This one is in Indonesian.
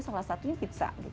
salah satunya pizza